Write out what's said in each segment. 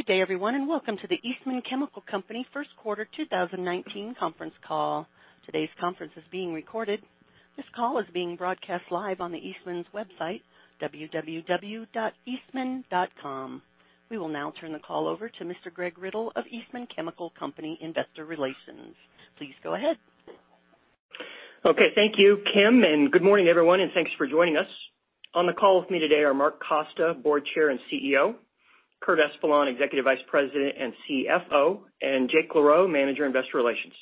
Good day, everyone, and welcome to the Eastman Chemical Company First Quarter 2019 Conference Call. Today's conference is being recorded. This call is being broadcast live on Eastman's website, www.eastman.com. We will now turn the call over to Mr. Greg Riddle of Eastman Chemical Company, Investor Relations. Please go ahead. Thank you, Kim, and good morning, everyone, and thanks for joining us. On the call with me today are Mark Costa, Board Chair and CEO, Curt Espeland, Executive Vice President and CFO, and Jake LaRoe, Manager, Investor Relations.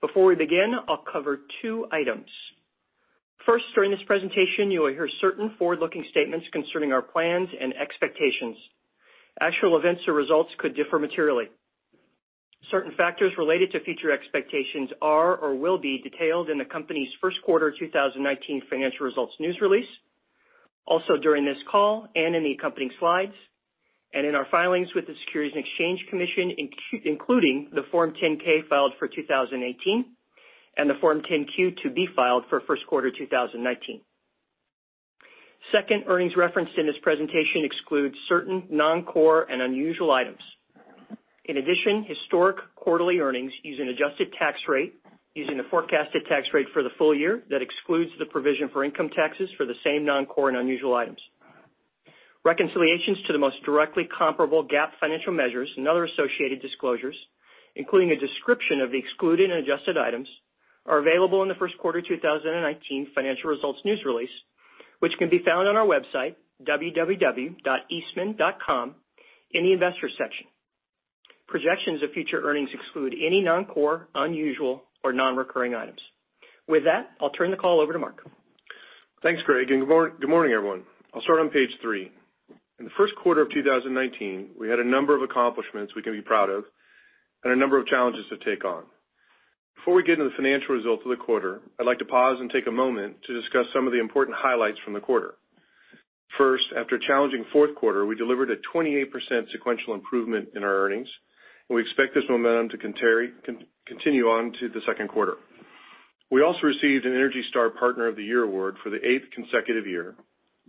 Before we begin, I will cover two items. First, during this presentation, you will hear certain forward-looking statements concerning our plans and expectations. Actual events or results could differ materially. Certain factors related to future expectations are or will be detailed in the company's first quarter 2019 financial results news release, also during this call and in the accompanying slides, and in our filings with the Securities and Exchange Commission, including the Form 10-K filed for 2018 and the Form 10-Q to be filed for first quarter 2019. Second, earnings referenced in this presentation excludes certain non-core and unusual items. In addition, historic quarterly earnings use an adjusted tax rate using the forecasted tax rate for the full year that excludes the provision for income taxes for the same non-core and unusual items. Reconciliations to the most directly comparable GAAP financial measures and other associated disclosures, including a description of the excluded and adjusted items, are available in the first quarter 2019 financial results news release, which can be found on our website, www.eastman.com, in the investor section. Projections of future earnings exclude any non-core, unusual, or non-recurring items. With that, I will turn the call over to Mark. Thanks, Greg, and good morning, everyone. I will start on page three. In the first quarter of 2019, we had a number of accomplishments we can be proud of and a number of challenges to take on. Before we get into the financial results of the quarter, I would like to pause and take a moment to discuss some of the important highlights from the quarter. First, after a challenging fourth quarter, we delivered a 28% sequential improvement in our earnings, and we expect this momentum to continue on to the second quarter. We also received an ENERGY STAR Partner of the Year award for the eighth consecutive year,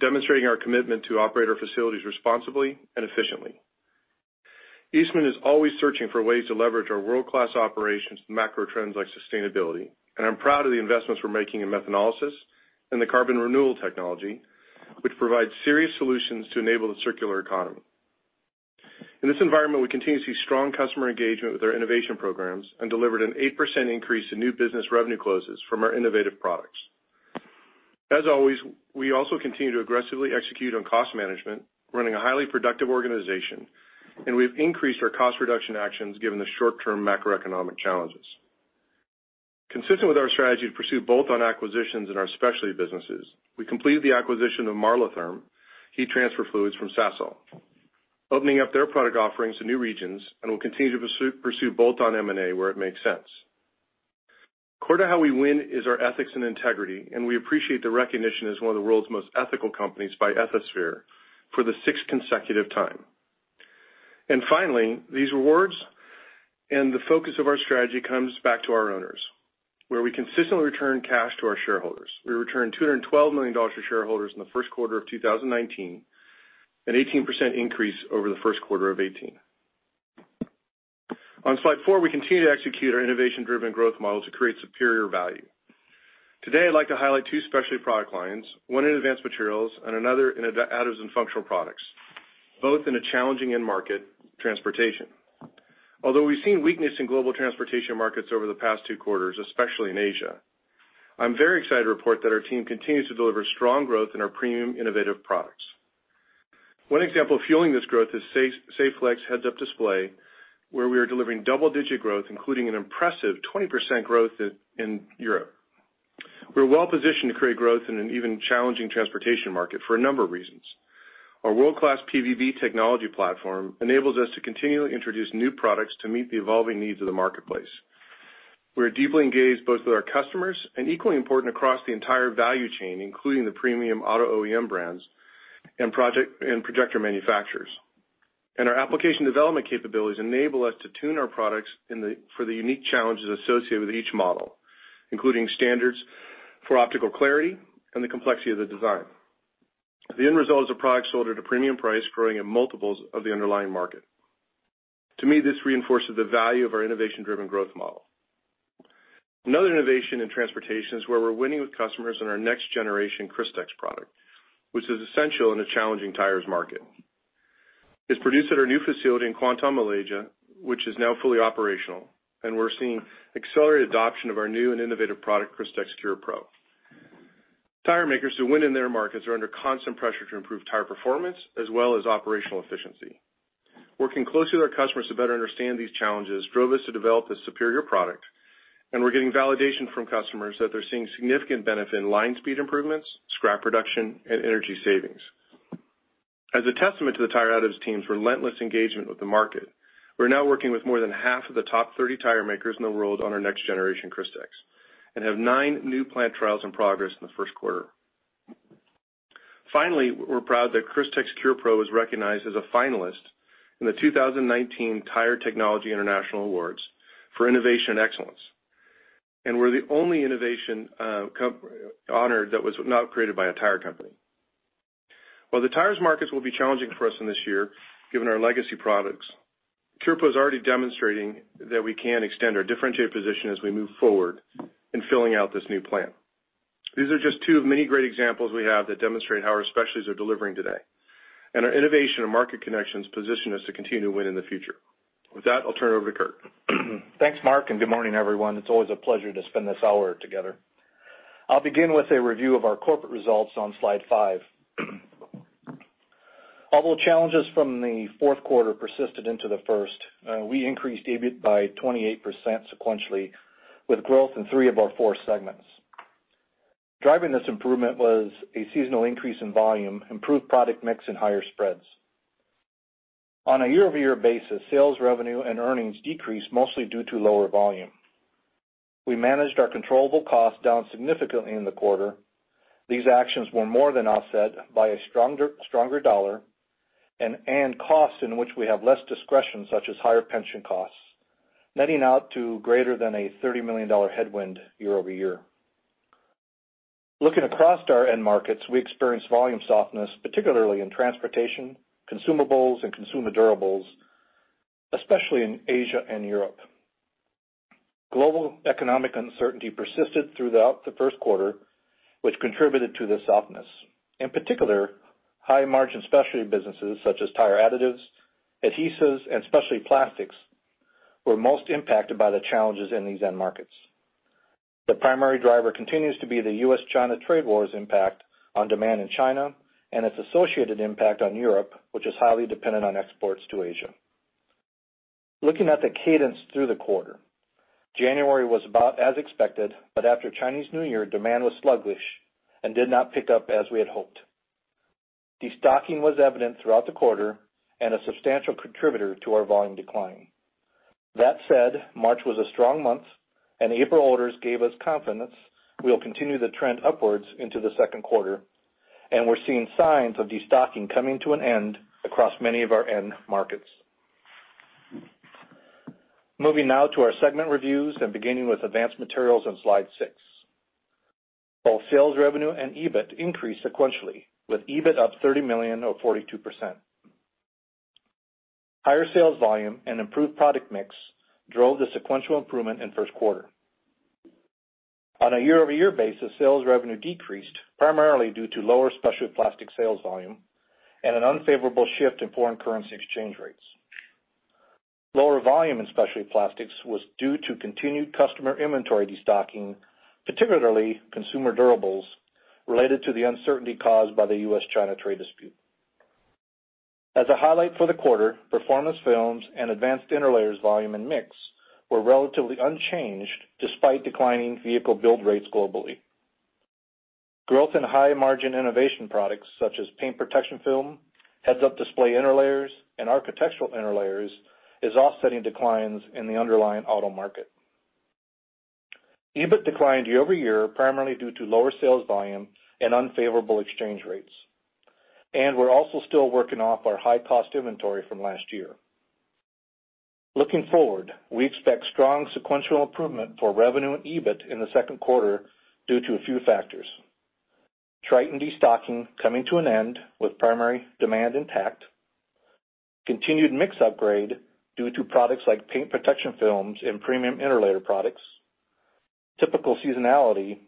demonstrating our commitment to operate our facilities responsibly and efficiently. Eastman is always searching for ways to leverage our world-class operations to macro trends like sustainability, and I'm proud of the investments we're making in methanolysis and the carbon renewal technology, which provide serious solutions to enable the circular economy. In this environment, we continue to see strong customer engagement with our innovation programs and delivered an 8% increase in new business revenue closes from our innovative products. As always, we also continue to aggressively execute on cost management, running a highly productive organization, and we've increased our cost reduction actions given the short-term macroeconomic challenges. Consistent with our strategy to pursue bolt-on acquisitions and our specialty businesses, we completed the acquisition of Marlotherm heat transfer fluids from Sasol, opening up their product offerings to new regions and will continue to pursue bolt-on M&A where it makes sense. Core to how we win is our ethics and integrity, and we appreciate the recognition as one of the world's most ethical companies by Ethisphere for the sixth consecutive time. Finally, these rewards and the focus of our strategy comes back to our owners, where we consistently return cash to our shareholders. We returned $212 million to shareholders in the first quarter of 2019, an 18% increase over the first quarter of 2018. On slide four, we continue to execute our innovation-driven growth model to create superior value. Today, I'd like to highlight two specialty product lines, one in advanced materials and another in additives and functional products, both in a challenging end market, transportation. Although we've seen weakness in global transportation markets over the past two quarters, especially in Asia, I'm very excited to report that our team continues to deliver strong growth in our premium innovative products. One example fueling this growth is Saflex heads-up display, where we are delivering double-digit growth, including an impressive 20% growth in Europe. We're well positioned to create growth in an even challenging transportation market for a number of reasons. Our world-class PVB technology platform enables us to continually introduce new products to meet the evolving needs of the marketplace. We are deeply engaged both with our customers and equally important across the entire value chain, including the premium auto OEM brands and projector manufacturers. Our application development capabilities enable us to tune our products for the unique challenges associated with each model, including standards for optical clarity and the complexity of the design. The end result is a product sold at a premium price, growing at multiples of the underlying market. To me, this reinforces the value of our innovation-driven growth model. Another innovation in transportation is where we're winning with customers on our next generation Crystex product, which is essential in a challenging tires market. It's produced at our new facility in Kuantan, Malaysia, which is now fully operational, and we're seeing accelerated adoption of our new and innovative product, Crystex Cure Pro. Tire makers to win in their markets are under constant pressure to improve tire performance as well as operational efficiency. Working closely with our customers to better understand these challenges drove us to develop this superior product, and we're getting validation from customers that they're seeing significant benefit in line speed improvements, scrap reduction, and energy savings. As a testament to the tire additives team's relentless engagement with the market, we're now working with more than 1/2 of the top 30 tire makers in the world on our next generation Crystex and have nine new plant trials in progress in the first quarter. Finally, we're proud that Crystex Cure Pro was recognized as a finalist in the 2019 Tire Technology International Awards for Innovation and Excellence. We're the only innovation company honored that was not created by a tire company. While the tires markets will be challenging for us in this year, given our legacy products, Cure Pro is already demonstrating that we can extend our differentiated position as we move forward in filling out this new plan. These are just two of many great examples we have that demonstrate how our specialties are delivering today. Our innovation and market connections position us to continue to win in the future. With that, I'll turn it over to Curt. Thanks, Mark. Good morning, everyone. It's always a pleasure to spend this hour together. I'll begin with a review of our corporate results on slide five. Although challenges from the fourth quarter persisted into the first, we increased EBIT by 28% sequentially with growth in three of our four segments. Driving this improvement was a seasonal increase in volume, improved product mix, and higher spreads. On a year-over-year basis, sales revenue and earnings decreased mostly due to lower volume. We managed our controllable costs down significantly in the quarter. These actions were more than offset by a stronger dollar and costs in which we have less discretion, such as higher pension costs, netting out to greater than a $30 million headwind year-over-year. Looking across our end markets, we experienced volume softness, particularly in transportation, consumables, and consumer durables, especially in Asia and Europe. Global economic uncertainty persisted throughout the first quarter, which contributed to the softness. In particular, high-margin specialty businesses such as tire additives, adhesives, and specialty plastics were most impacted by the challenges in these end markets. The primary driver continues to be the U.S.-China trade war's impact on demand in China and its associated impact on Europe, which is highly dependent on exports to Asia. Looking at the cadence through the quarter. January was about as expected. After Chinese New Year, demand was sluggish and did not pick up as we had hoped. Destocking was evident throughout the quarter. A substantial contributor to our volume decline. That said, March was a strong month. April orders gave us confidence we'll continue the trend upwards into the second quarter. We're seeing signs of destocking coming to an end across many of our end markets. Moving now to our segment reviews. Beginning with Advanced Materials on slide six, both sales revenue and EBIT increased sequentially, with EBIT up $30 million or 42%. Higher sales volume and improved product mix drove the sequential improvement in first quarter. On a year-over-year basis, sales revenue decreased primarily due to lower specialty plastics sales volume and an unfavorable shift in foreign currency exchange rates. Lower volume in specialty plastics was due to continued customer inventory destocking, particularly consumer durables, related to the uncertainty caused by the U.S.-China trade dispute. As a highlight for the quarter, performance films and advanced interlayers volume and mix were relatively unchanged despite declining vehicle build rates globally. Growth in high-margin innovation products such as paint protection film, head-up display interlayers, and architectural interlayers is offsetting declines in the underlying auto market. EBIT declined year-over-year, primarily due to lower sales volume and unfavorable exchange rates. We're also still working off our high-cost inventory from last year. Looking forward, we expect strong sequential improvement for revenue and EBIT in the second quarter due to a few factors. Tritan destocking coming to an end with primary demand intact. Continued mix upgrade due to products like paint protection films and premium interlayer products. Typical seasonality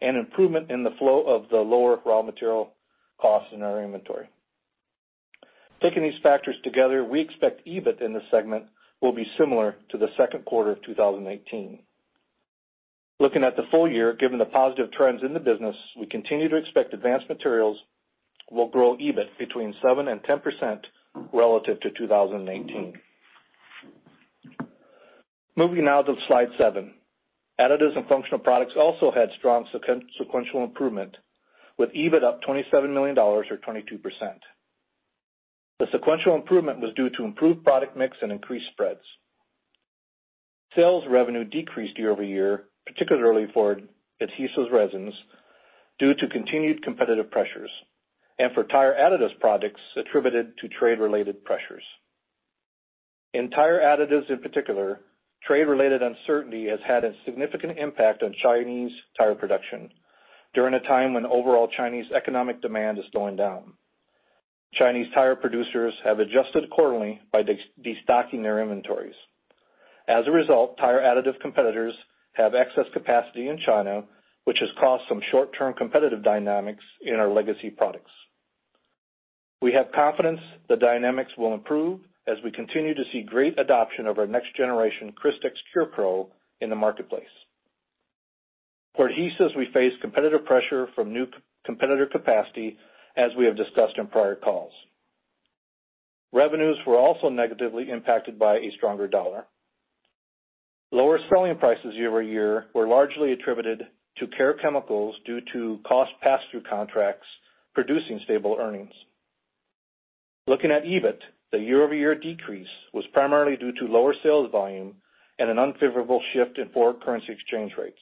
and improvement in the flow of the lower raw material costs in our inventory. Taking these factors together, we expect EBIT in this segment will be similar to the second quarter of 2019. Looking at the full year, given the positive trends in the business, we continue to expect Advanced Materials will grow EBIT between 7%-10% relative to 2019. Moving now to slide seven. Additives & Functional Products also had strong sequential improvement, with EBIT up $27 million or 22%. The sequential improvement was due to improved product mix and increased spreads. Sales revenue decreased year-over-year, particularly for adhesives resins, due to continued competitive pressures, and for tire additives products attributed to trade-related pressures. In tire additives in particular, trade-related uncertainty has had a significant impact on Chinese tire production during a time when overall Chinese economic demand is going down. Chinese tire producers have adjusted quarterly by destocking their inventories. As a result, tire additive competitors have excess capacity in China, which has caused some short-term competitive dynamics in our legacy products. We have confidence the dynamics will improve as we continue to see great adoption of our next generation Crystex Cure Pro in the marketplace. For adhesives, we face competitive pressure from new competitor capacity, as we have discussed in prior calls. Revenues were also negatively impacted by a stronger dollar. Lower selling prices year-over-year were largely attributed to Care Chemicals due to cost pass-through contracts producing stable earnings. Looking at EBIT, the year-over-year decrease was primarily due to lower sales volume and an unfavorable shift in foreign currency exchange rates.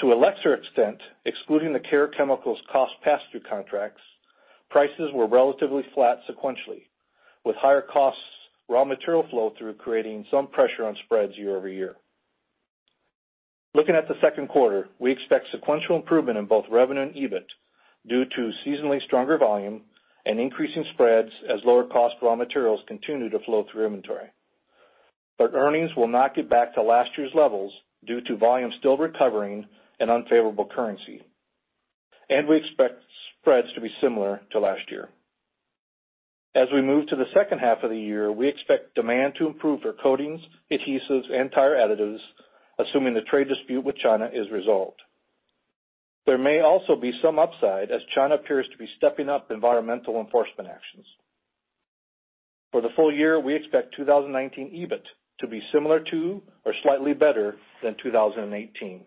To a lesser extent, excluding the Care Chemicals cost pass-through contracts, prices were relatively flat sequentially, with higher costs raw material flow through creating some pressure on spreads year-over-year. Looking at the second quarter, we expect sequential improvement in both revenue and EBIT due to seasonally stronger volume and increasing spreads as lower cost raw materials continue to flow through inventory. Earnings will not get back to last year's levels due to volume still recovering and unfavorable currency. We expect spreads to be similar to last year. As we move to the second half of the year, we expect demand to improve for coatings, adhesives, and tire additives, assuming the trade dispute with China is resolved. There may also be some upside as China appears to be stepping up environmental enforcement actions. For the full year, we expect 2019 EBIT to be similar to or slightly better than 2018.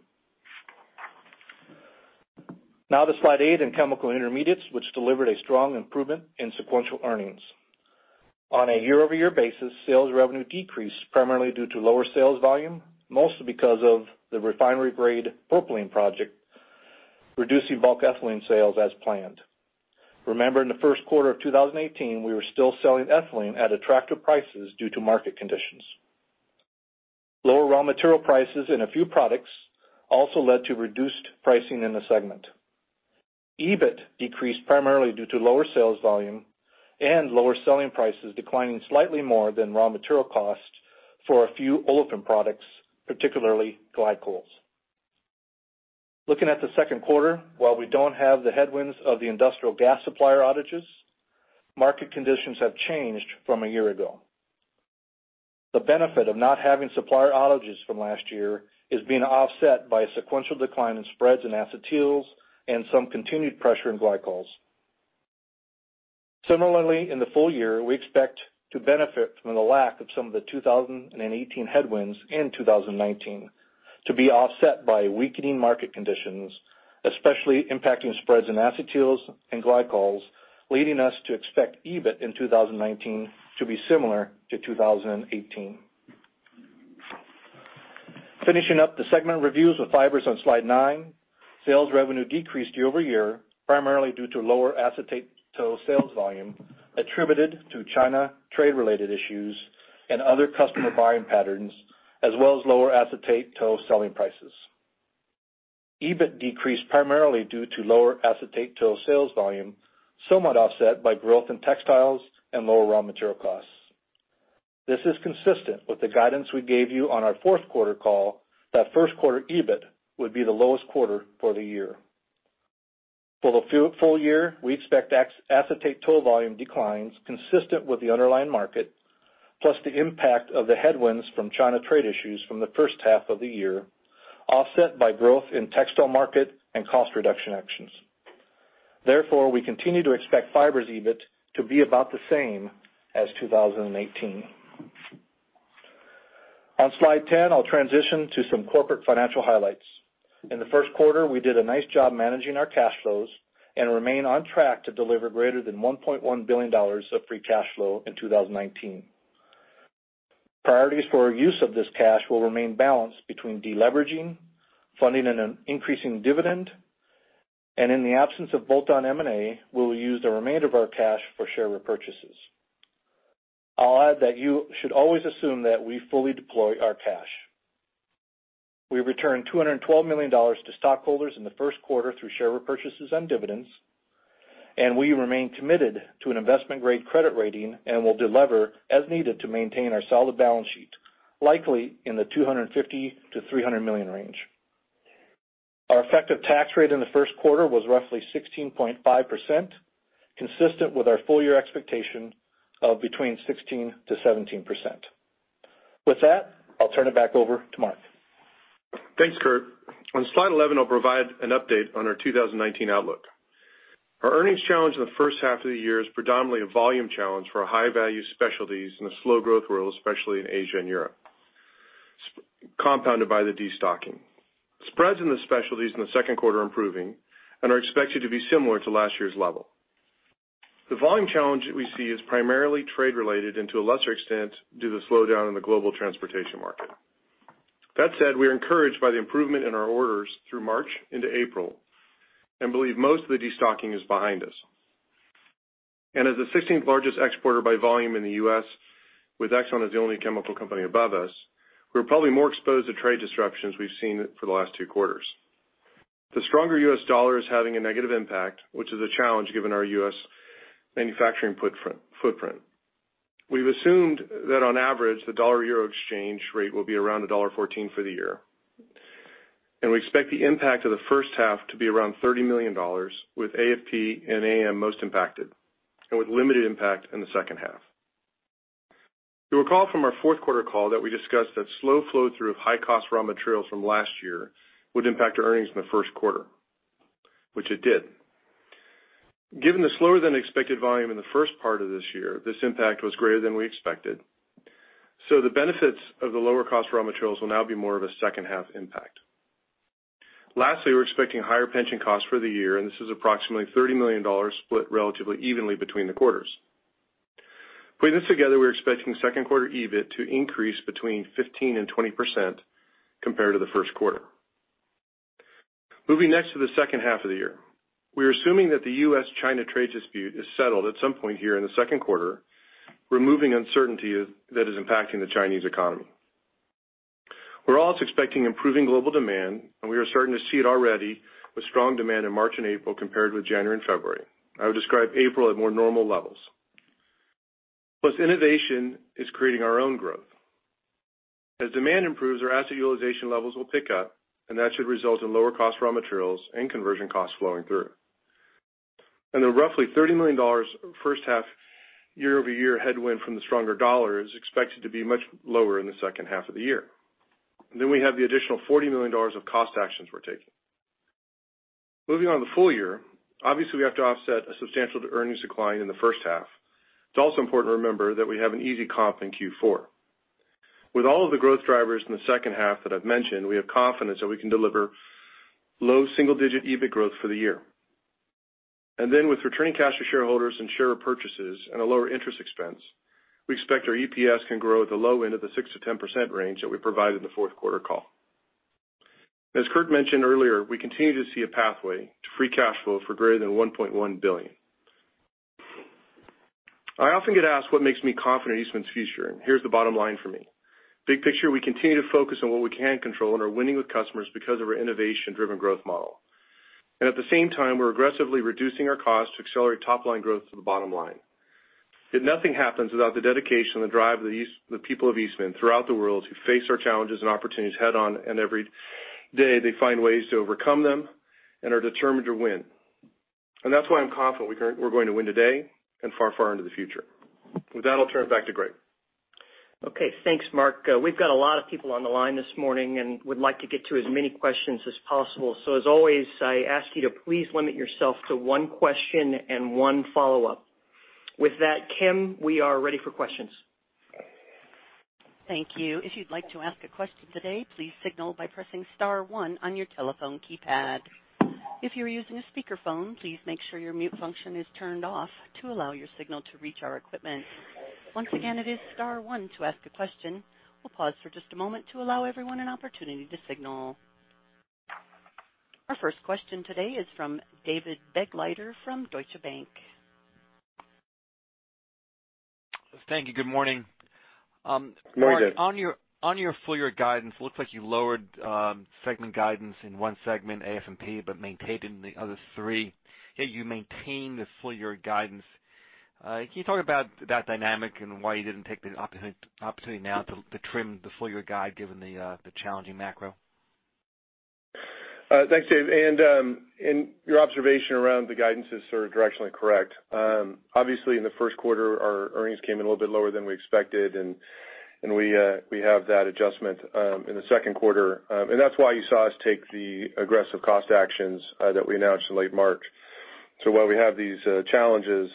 Now to slide eight in chemical intermediates, which delivered a strong improvement in sequential earnings. On a year-over-year basis, sales revenue decreased primarily due to lower sales volume, mostly because of the refinery grade propylene project, reducing bulk ethylene sales as planned. Remember, in the first quarter of 2018, we were still selling ethylene at attractive prices due to market conditions. Lower raw material prices in a few products also led to reduced pricing in the segment. EBIT decreased primarily due to lower sales volume and lower selling prices declining slightly more than raw material cost for a few olefin products, particularly glycols. Looking at the second quarter, while we don't have the headwinds of the industrial gas supplier outages, market conditions have changed from a year ago. The benefit of not having supplier outages from last year is being offset by a sequential decline in spreads in acetyls and some continued pressure in glycols. Similarly, in the full year, we expect to benefit from the lack of some of the 2018 headwinds in 2019 to be offset by weakening market conditions, especially impacting spreads in acetyls and glycols, leading us to expect EBIT in 2019 to be similar to 2018. Finishing up the segment reviews with fibers on slide nine. Sales revenue decreased year-over-year, primarily due to lower acetate tow sales volume attributed to China trade-related issues and other customer buying patterns, as well as lower acetate tow selling prices. EBIT decreased primarily due to lower acetate tow sales volume, somewhat offset by growth in textiles and lower raw material costs. This is consistent with the guidance we gave you on our fourth quarter call that first quarter EBIT would be the lowest quarter for the year. For the full year, we expect acetate tow volume declines consistent with the underlying market, plus the impact of the headwinds from China trade issues from the first half of the year, offset by growth in textile market and cost reduction actions. Therefore, we continue to expect fibers EBIT to be about the same as 2018. On slide 10, I'll transition to some corporate financial highlights. In the first quarter, we did a nice job managing our cash flows and remain on track to deliver greater than $1.1 billion of free cash flow in 2019. Priorities for our use of this cash will remain balanced between deleveraging, funding and an increasing dividend, and in the absence of bolt-on M&A, we will use the remainder of our cash for share repurchases. I'll add that you should always assume that we fully deploy our cash. We returned $212 million to stockholders in the first quarter through share repurchases and dividends, and we remain committed to an investment-grade credit rating and will delever as needed to maintain our solid balance sheet, likely in the $250 million-$300 million range. Our effective tax rate in the first quarter was roughly 16.5%, consistent with our full year expectation of between 16%-17%. With that, I'll turn it back over to Mark. Thanks, Curt. On slide 11, I'll provide an update on our 2019 outlook. Our earnings challenge in the first half of the year is predominantly a volume challenge for our high-value specialties in a slow growth world, especially in Asia and Europe, compounded by the destocking. Spreads in the specialties in the second quarter are improving and are expected to be similar to last year's level. The volume challenge that we see is primarily trade related and to a lesser extent, due to the slowdown in the global transportation market. That said, we are encouraged by the improvement in our orders through March into April and believe most of the destocking is behind us. As the 16th largest exporter by volume in the U.S., with Exxon as the only chemical company above us, we're probably more exposed to trade disruptions we've seen for the last two quarters. The stronger U.S. dollar is having a negative impact, which is a challenge given our U.S. manufacturing footprint. We've assumed that on average, the dollar-euro exchange rate will be around $1.14 for the year. We expect the impact of the first half to be around $30 million, with AFP and AM most impacted, and with limited impact in the second half. You'll recall from our fourth quarter call that we discussed that slow flow through of high cost raw materials from last year would impact our earnings in the first quarter, which it did. Given the slower than expected volume in the first part of this year, this impact was greater than we expected. The benefits of the lower cost raw materials will now be more of a second half impact. Lastly, we're expecting higher pension costs for the year, and this is approximately $30 million split relatively evenly between the quarters. Putting this together, we're expecting second quarter EBIT to increase between 15%-20% compared to the first quarter. Moving next to the second half of the year. We are assuming that the U.S.-China trade dispute is settled at some point here in the second quarter, removing uncertainty that is impacting the Chinese economy. We're also expecting improving global demand, and we are starting to see it already with strong demand in March and April compared with January and February. I would describe April at more normal levels. Innovation is creating our own growth. As demand improves, our asset utilization levels will pick up, and that should result in lower cost raw materials and conversion costs flowing through. The roughly $30 million first half year-over-year headwind from the stronger dollar is expected to be much lower in the second half of the year. We have the additional $40 million of cost actions we're taking. Moving on to the full year, obviously, we have to offset a substantial earnings decline in the first half. It's also important to remember that we have an easy comp in Q4. With all of the growth drivers in the second half that I've mentioned, we have confidence that we can deliver low single-digit EBIT growth for the year. With returning cash to shareholders and share repurchases and a lower interest expense, we expect our EPS can grow at the low end of the 6%-10% range that we provided in the fourth quarter call. As Curt mentioned earlier, we continue to see a pathway to free cash flow for greater than $1.1 billion. I often get asked what makes me confident in Eastman's future, and here's the bottom line for me. Big picture, we continue to focus on what we can control and are winning with customers because of our innovation-driven growth model. At the same time, we're aggressively reducing our cost to accelerate top-line growth to the bottom line. Yet nothing happens without the dedication and the drive of the people of Eastman throughout the world, who face our challenges and opportunities head-on, and every day, they find ways to overcome them and are determined to win. That's why I'm confident we're going to win today and far into the future. With that, I'll turn it back to Greg. Okay, thanks, Mark. We've got a lot of people on the line this morning and would like to get to as many questions as possible. As always, I ask you to please limit yourself to one question and one follow-up. With that, Kim, we are ready for questions. Thank you. If you'd like to ask a question today, please signal by pressing star one on your telephone keypad. If you're using a speakerphone, please make sure your mute function is turned off to allow your signal to reach our equipment. Once again, it is star one to ask a question. We'll pause for just a moment to allow everyone an opportunity to signal. Our first question today is from David Begleiter from Deutsche Bank. Thank you. Good morning. Good morning, Dave. Mark, on your full-year guidance, looks like you lowered segment guidance in one segment, AF&P, but maintained in the other three, yet you maintained the full-year guidance. Can you talk about that dynamic and why you didn't take the opportunity now to trim the full-year guide, given the challenging macro? Thanks, Dave. Your observation around the guidance is sort of directionally correct. Obviously, in the first quarter, our earnings came in a little bit lower than we expected, and we have that adjustment in the second quarter. That's why you saw us take the aggressive cost actions that we announced in late March. While we have these challenges,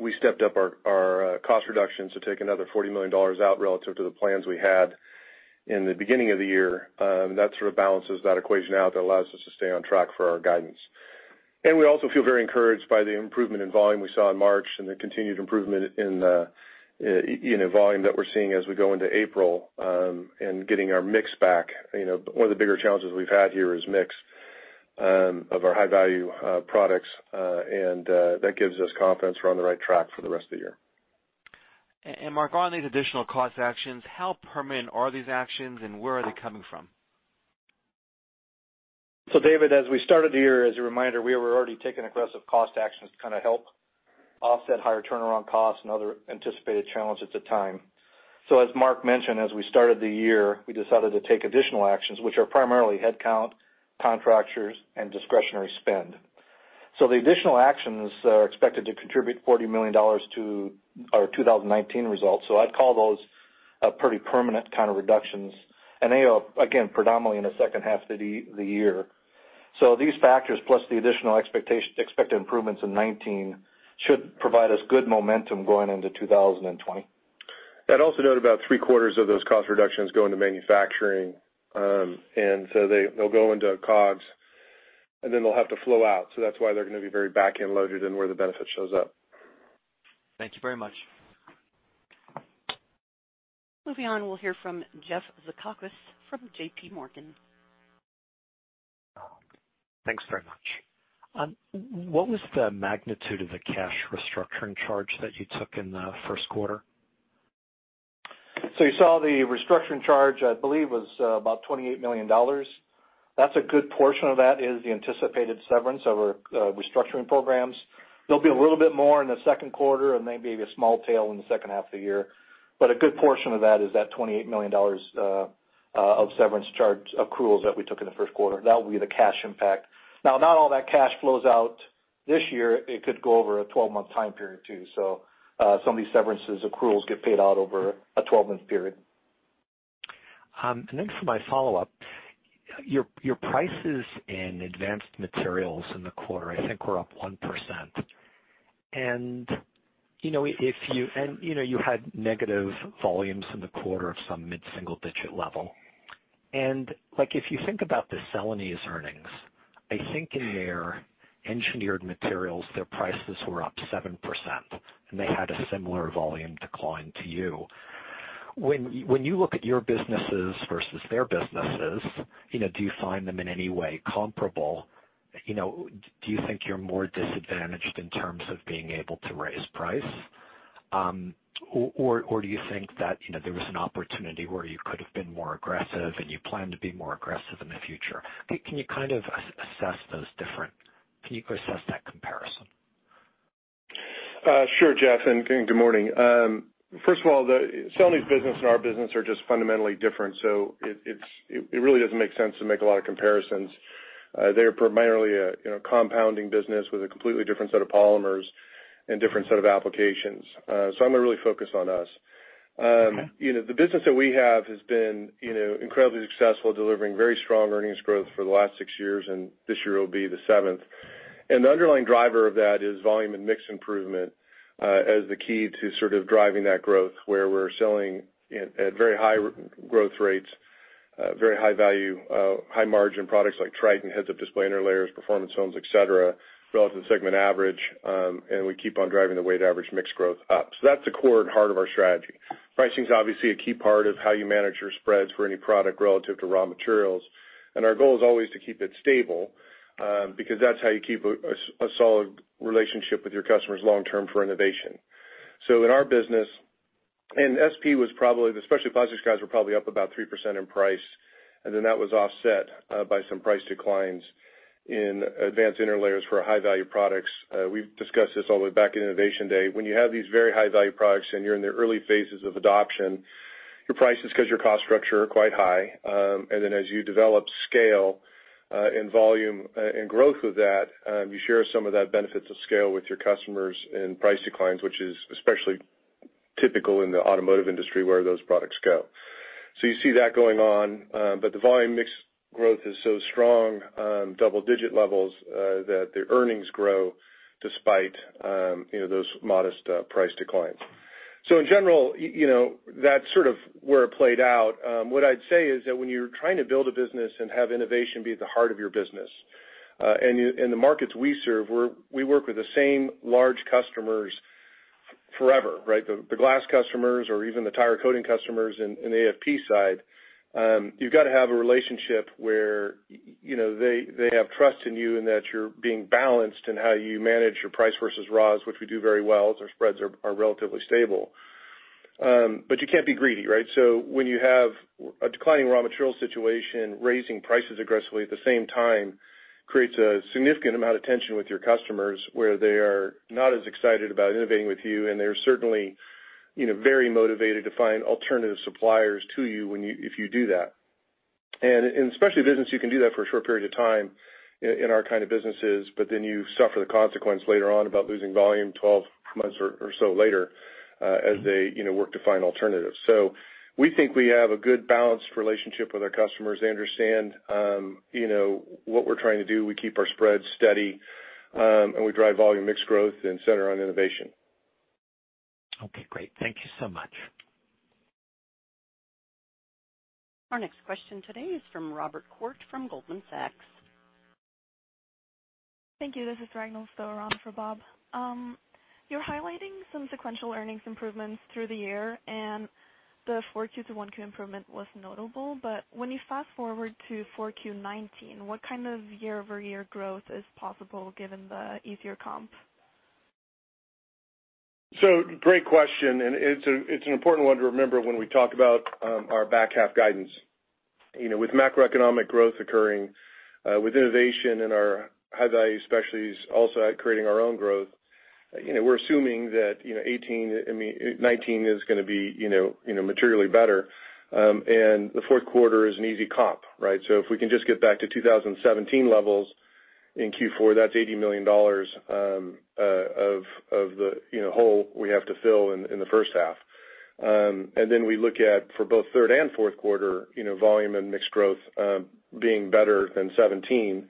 we stepped up our cost reductions to take another $40 million out relative to the plans we had in the beginning of the year. That sort of balances that equation out, that allows us to stay on track for our guidance. We also feel very encouraged by the improvement in volume we saw in March and the continued improvement in volume that we're seeing as we go into April, and getting our mix back. One of the bigger challenges we've had here is mix of our high-value products, that gives us confidence we're on the right track for the rest of the year. Mark, on these additional cost actions, how permanent are these actions and where are they coming from? David, as we started the year, as a reminder, we were already taking aggressive cost actions to kind of help offset higher turnaround costs and other anticipated challenges at the time. As Mark mentioned, as we started the year, we decided to take additional actions, which are primarily headcount, contractors, and discretionary spend. The additional actions are expected to contribute $40 million to our 2019 results. I'd call those pretty permanent kind of reductions, and they are, again, predominantly in the second half of the year. These factors, plus the additional expected improvements in 2019, should provide us good momentum going into 2020. I'd also note about three-quarters of those cost reductions go into manufacturing. They'll go into COGS, they'll have to flow out. That's why they're going to be very back-end loaded in where the benefit shows up. Thank you very much. Moving on, we'll hear from Jeff Zekauskas from JPMorgan. Thanks very much. What was the magnitude of the cash restructuring charge that you took in the first quarter? You saw the restructuring charge, I believe, was about $28 million. That's a good portion of that is the anticipated severance of our restructuring programs. There'll be a little bit more in the second quarter and maybe a small tail in the second half of the year. A good portion of that is that $28 million of severance charge accruals that we took in the first quarter. That will be the cash impact. Not all that cash flows out this year. It could go over a 12-month time period, too. Some of these severances accruals get paid out over a 12-month period. For my follow-up, your prices in advanced materials in the quarter, I think, were up 1%. You had negative volumes in the quarter of some mid-single-digit level. If you think about the Celanese earnings, I think in their engineered materials, their prices were up 7%, and they had a similar volume decline to you. When you look at your businesses versus their businesses, do you find them in any way comparable? Do you think you're more disadvantaged in terms of being able to raise price? Do you think that there was an opportunity where you could have been more aggressive, and you plan to be more aggressive in the future? Can you assess that comparison? Sure, Jeff, and good morning. First of all, Celanese business and our business are just fundamentally different, so it really doesn't make sense to make a lot of comparisons. They are primarily a compounding business with a completely different set of polymers and different set of applications. I'm going to really focus on us. Okay. The business that we have has been incredibly successful, delivering very strong earnings growth for the last six years, and this year will be the seventh. The underlying driver of that is volume and mix improvement as the key to sort of driving that growth, where we're selling at very high growth rates, very high value, high margin products like Tritan head-up display interlayers, performance films, et cetera, relative to segment average. We keep on driving the weighted average mix growth up. That's the core and heart of our strategy. Pricing is obviously a key part of how you manage your spreads for any product relative to raw materials. Our goal is always to keep it stable, because that's how you keep a solid relationship with your customers long term for innovation. In our business, SP was probably, the specialty plastics guys were probably up about 3% in price, that was offset by some price declines in advanced interlayers for our high-value products. We've discussed this all the way back in Innovation Day. When you have these very high-value products and you're in the early phases of adoption, your prices, because your cost structure, are quite high. As you develop scale and volume and growth with that, you share some of that benefits of scale with your customers and price declines, which is especially typical in the automotive industry, where those products go. You see that going on. The volume mix growth is so strong, double digit levels, that the earnings grow despite those modest price declines. In general, that's sort of where it played out. What I'd say is that when you're trying to build a business and have innovation be at the heart of your business, and the markets we serve, we work with the same large customers forever, right? The glass customers or even the tire coating customers in the AFP side. You've got to have a relationship where they have trust in you and that you're being balanced in how you manage your price versus raws, which we do very well, as our spreads are relatively stable. You can't be greedy, right? When you have a declining raw material situation, raising prices aggressively at the same time creates a significant amount of tension with your customers, where they are not as excited about innovating with you, and they're certainly very motivated to find alternative suppliers to you if you do that. In specialty business you can do that for a short period of time in our kind of businesses, but then you suffer the consequence later on about losing volume 12 months or so later as they work to find alternatives. We think we have a good balanced relationship with our customers. They understand what we're trying to do. We keep our spreads steady, and we drive volume mix growth and center on innovation. Okay, great. Thank you so much. Our next question today is from Robert Koort from Goldman Sachs. Thank you. This is [Ragini]. I'll fill in for Bob. You're highlighting some sequential earnings improvements through the year, the 4Q to 1Q improvement was notable. When you fast-forward to 4Q 2019, what kind of year-over-year growth is possible given the easier comp? Great question, it's an important one to remember when we talk about our back half guidance. With macroeconomic growth occurring, with innovation in our high-value specialties also creating our own growth, we're assuming that 2019 is going to be materially better. The fourth quarter is an easy comp, right? If we can just get back to 2017 levels in Q4, that's $80 million of the hole we have to fill in the first half. Then we look at, for both third and fourth quarter, volume and mix growth being better than 2017.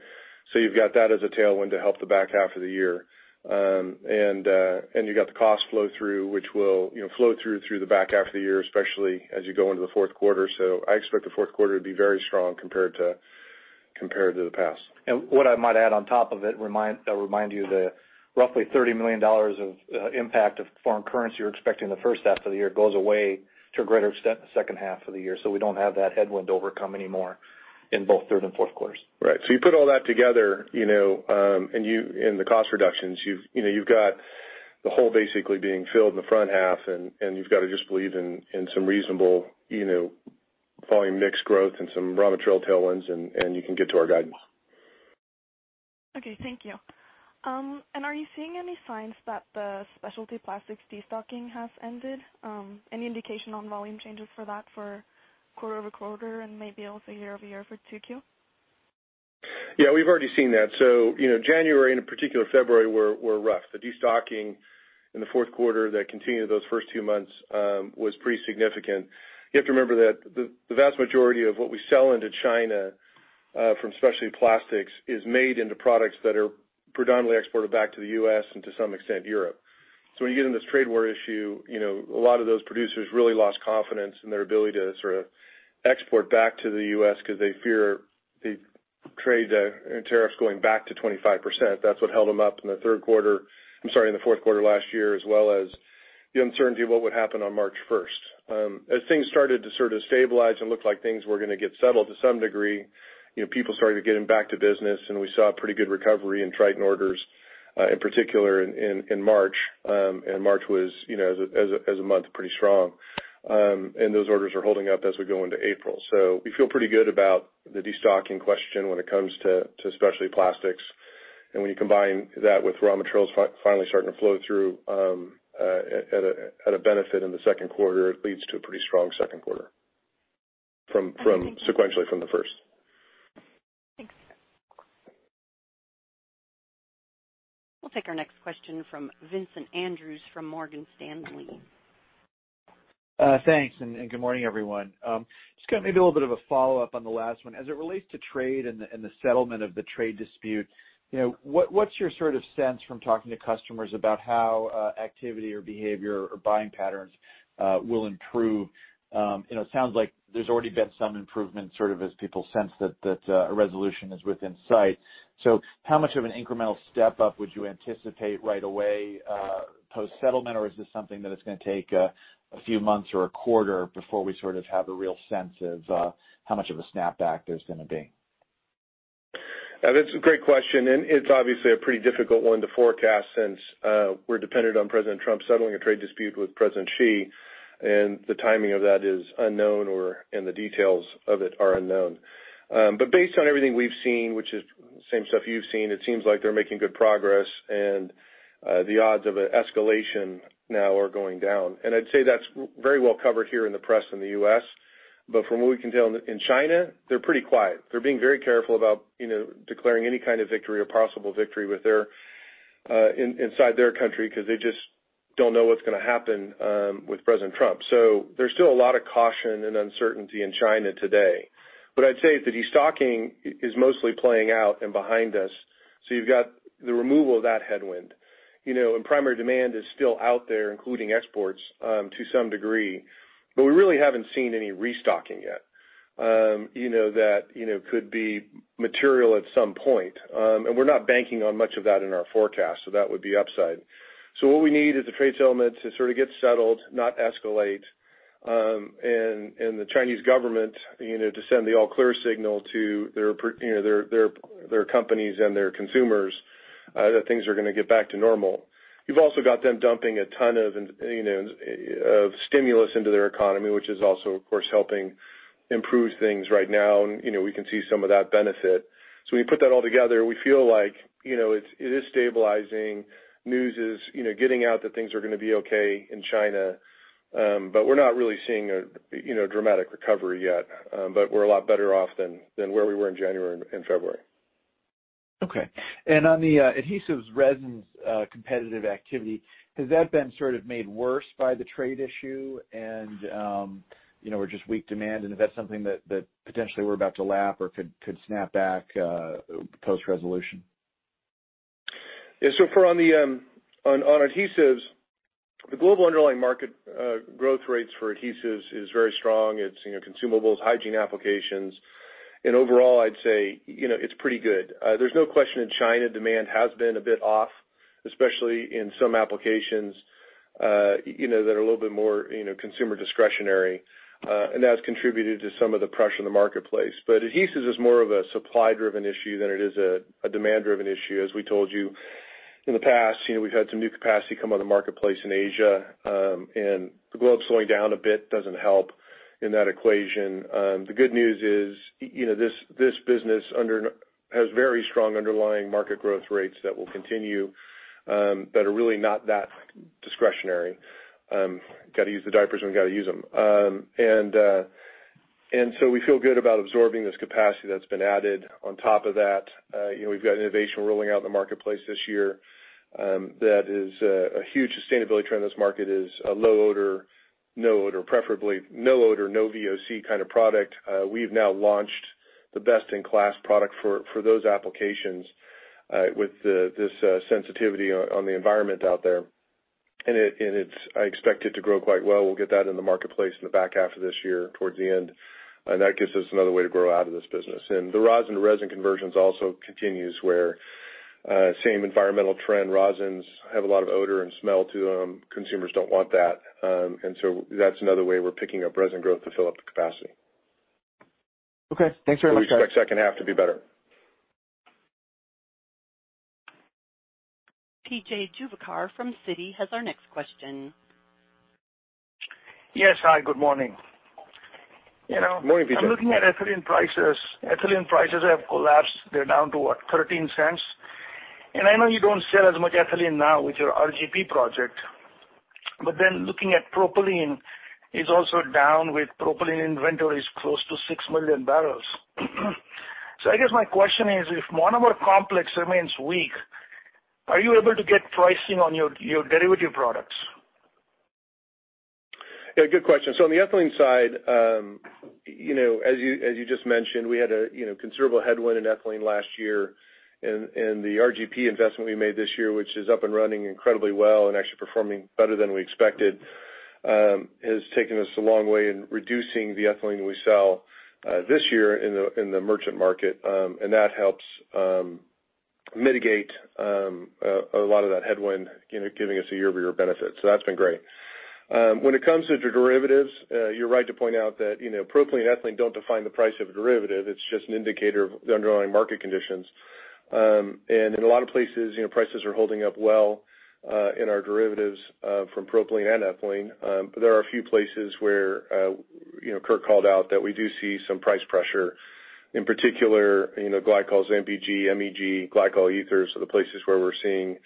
You've got that as a tailwind to help the back half of the year. You've got the cost flow-through, which will flow through the back half of the year, especially as you go into the fourth quarter. I expect the fourth quarter to be very strong compared to the past. What I might add on top of it, I'll remind you the roughly $30 million of impact of foreign currency you're expecting in the first half of the year goes away to a greater extent in the second half of the year, we don't have that headwind overcome anymore in both third and fourth quarters. Right. You put all that together, the cost reductions, you've got the hole basically being filled in the front half, you've got to just believe in some reasonable volume mix growth and some raw material tailwinds, you can get to our guidance. Okay, thank you. Are you seeing any signs that the specialty plastics de-stocking has ended? Any indication on volume changes for that for quarter-over-quarter and maybe also year-over-year for 2Q? Yeah, we've already seen that. January, and in particular February, were rough. The de-stocking in the fourth quarter that continued those first two months was pretty significant. You have to remember that the vast majority of what we sell into China from specialty plastics is made into products that are predominantly exported back to the U.S. and to some extent, Europe. When you get in this trade war issue, a lot of those producers really lost confidence in their ability to sort of export back to the U.S. because they fear the trade and tariffs going back to 25%. That's what held them up in the fourth quarter last year, as well as the uncertainty of what would happen on March 1st. Things started to sort of stabilize and look like things were going to get settled to some degree, people started getting back to business, we saw a pretty good recovery in Tritan orders, in particular, in March. March was, as a month, pretty strong. Those orders are holding up as we go into April. We feel pretty good about the de-stocking question when it comes to specialty plastics. When you combine that with raw materials finally starting to flow through at a benefit in the second quarter, it leads to a pretty strong second quarter sequentially from the first. Thanks. We'll take our next question from Vincent Andrews from Morgan Stanley. Thanks. Good morning, everyone. Just maybe a little bit of a follow-up on the last one. As it relates to trade and the settlement of the trade dispute, what's your sort of sense from talking to customers about how activity or behavior or buying patterns will improve? It sounds like there's already been some improvement, sort of as people sense that a resolution is within sight. How much of an incremental step up would you anticipate right away post-settlement? Is this something that it's going to take a few months or a quarter before we sort of have a real sense of how much of a snapback there's going to be? That's a great question. It's obviously a pretty difficult one to forecast since we're dependent on Donald Trump settling a trade dispute with Xi Jinping, and the timing of that is unknown, and the details of it are unknown. Based on everything we've seen, which is the same stuff you've seen, it seems like they're making good progress and the odds of an escalation now are going down. I'd say that's very well covered here in the press in the U.S. From what we can tell, in China, they're pretty quiet. They're being very careful about declaring any kind of victory or possible victory inside their country, because they just don't know what's going to happen with Donald Trump. There's still a lot of caution and uncertainty in China today. What I'd say is the destocking is mostly playing out and behind us. You've got the removal of that headwind. Primary demand is still out there, including exports to some degree. We really haven't seen any restocking yet that could be material at some point. We're not banking on much of that in our forecast. That would be upside. What we need is the trade settlement to sort of get settled, not escalate, and the Chinese government to send the all clear signal to their companies and their consumers that things are going to get back to normal. You've also got them dumping a ton of stimulus into their economy, which is also, of course, helping improve things right now, and we can see some of that benefit. When you put that all together, we feel like it is stabilizing. News is getting out that things are going to be okay in China. We're not really seeing a dramatic recovery yet. We're a lot better off than where we were in January and February. Okay. On the adhesives resins competitive activity, has that been sort of made worse by the trade issue and/or just weak demand? Is that something that potentially we're about to lap or could snap back post-resolution? Yeah. On adhesives, the global underlying market growth rates for adhesives is very strong. It's consumables, hygiene applications, and overall, I'd say it's pretty good. There's no question in China, demand has been a bit off, especially in some applications that are a little bit more consumer discretionary. That's contributed to some of the pressure in the marketplace. Adhesives is more of a supply-driven issue than it is a demand-driven issue. As we told you in the past, we've had some new capacity come on the marketplace in Asia. The globe slowing down a bit doesn't help in that equation. The good news is this business has very strong underlying market growth rates that will continue, that are really not that discretionary. Got to use the diapers when we got to use them. We feel good about absorbing this capacity that's been added. On top of that, we've got innovation rolling out in the marketplace this year that is a huge sustainability trend in this market, is a low odor, no odor, preferably no odor, no VOC kind of product. We've now launched the best-in-class product for those applications with this sensitivity on the environment out there. I expect it to grow quite well. We'll get that in the marketplace in the back half of this year towards the end. That gives us another way to grow out of this business. The rosin to resin conversions also continues where same environmental trend rosins have a lot of odor and smell to them. Consumers don't want that. That's another way we're picking up resin growth to fill up the capacity. Okay. Thanks very much. We expect second half to be better. P.J. Juvekar from Citi has our next question. Yes. Hi, good morning. Morning, P.J. I am looking at ethylene prices. Ethylene prices have collapsed. They are down to $0.13. I know you do not sell as much ethylene now with your RGP project. Looking at propylene is also down with propylene inventories close to six million barrels. I guess my question is, if one of our complex remains weak, are you able to get pricing on your derivative products? Yeah, good question. On the ethylene side, as you just mentioned, we had a considerable headwind in ethylene last year, and the RGP investment we made this year, which is up and running incredibly well and actually performing better than we expected, has taken us a long way in reducing the ethylene that we sell this year in the merchant market. That helps mitigate a lot of that headwind, giving us a year-over-year benefit. That has been great. When it comes to derivatives, you are right to point out that propylene and ethylene do not define the price of a derivative. It is just an indicator of the underlying market conditions. In a lot of places, prices are holding up well in our derivatives from propylene and ethylene. There are a few places where Curt called out that we do see some price pressure. In particular, glycols, MPG, MEG, glycol ethers are the places where we are seeing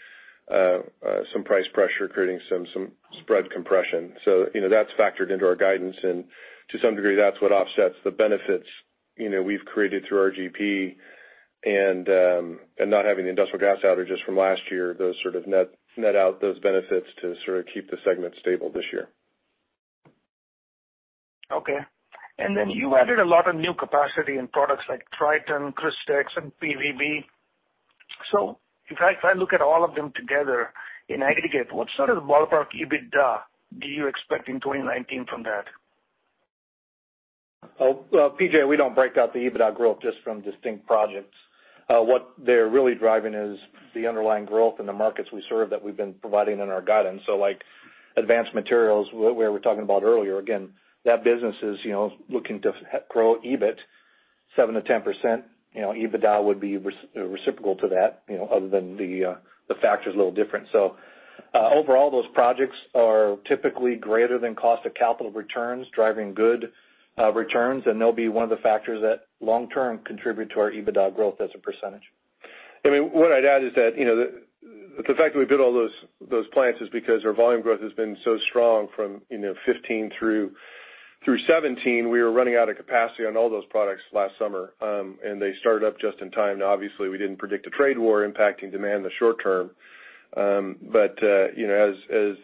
some price pressure creating some spread compression. That is factored into our guidance. To some degree, that is what offsets the benefits we have created through RGP and not having the industrial gas outages from last year, those sort of net out those benefits to sort of keep the segment stable this year. Okay. You added a lot of new capacity in products like Tritan, Crystex, and PVB. If I look at all of them together in aggregate, what sort of ballpark EBITDA do you expect in 2019 from that? P.J., we don't break out the EBITDA growth just from distinct projects. What they're really driving is the underlying growth in the markets we serve that we've been providing in our guidance. Like, Advanced Materials, where we were talking about earlier, again, that business is looking to grow EBIT 7%-10%. EBITDA would be reciprocal to that, other than the factor's a little different. Overall, those projects are typically greater than cost of capital returns, driving good returns, and they'll be one of the factors that long term contribute to our EBITDA growth as a percentage. What I'd add is that the fact that we built all those plants is because our volume growth has been so strong from 2015 through 2017. We were running out of capacity on all those products last summer. They started up just in time. Obviously, we didn't predict a trade war impacting demand in the short term. As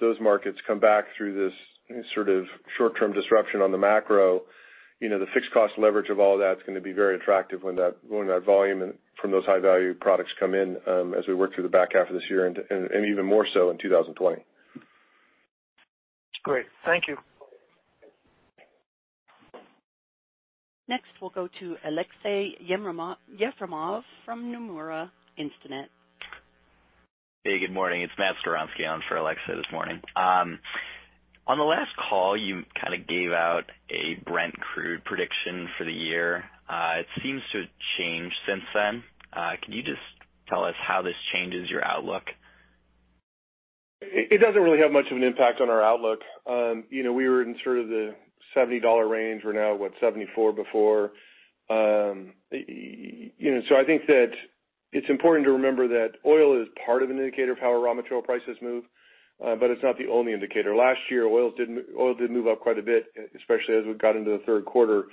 those markets come back through this sort of short-term disruption on the macro, the fixed cost leverage of all that's going to be very attractive when that volume from those high-value products come in as we work through the back half of this year and even more so in 2020. Great. Thank you. Next, we'll go to Aleksey Yefremov from Nomura Instinet. Hey, good morning. It's Matthew Skowronski on for Aleksey this morning. On the last call, you kind of gave out a Brent crude prediction for the year. It seems to have changed since then. Can you just tell us how this changes your outlook? It doesn't really have much of an impact on our outlook. We were in sort of the $70 range. We're now, what, $74 before. I think that it's important to remember that oil is part of an indicator of how our raw material prices move. It's not the only indicator. Last year, oil did move up quite a bit, especially as we got into the third quarter.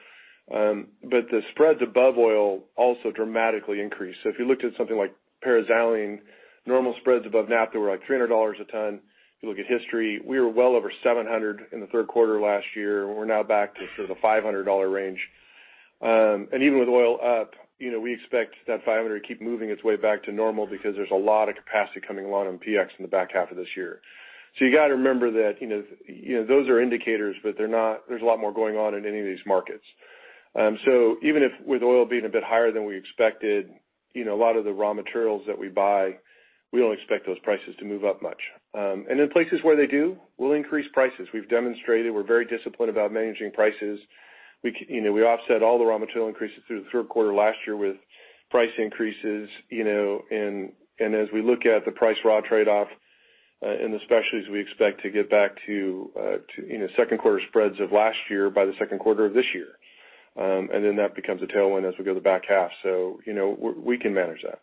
The spreads above oil also dramatically increased. If you looked at something like paraxylene, normal spreads above naphtha were like $300 a ton. If you look at history, we were well over $700 in the third quarter last year. We're now back to sort of the $500 range. Even with oil up, we expect that $500 to keep moving its way back to normal because there's a lot of capacity coming along on PX in the back half of this year. You got to remember that those are indicators, but there's a lot more going on in any of these markets. Even with oil being a bit higher than we expected, a lot of the raw materials that we buy, we don't expect those prices to move up much. In places where they do, we'll increase prices. We've demonstrated we're very disciplined about managing prices. We offset all the raw material increases through the third quarter last year with price increases. As we look at the price raw trade-off, and especially as we expect to get back to second quarter spreads of last year by the second quarter of this year. That becomes a tailwind as we go to the back half. We can manage that.